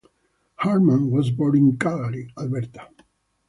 Hartman was born in Calgary, Alberta.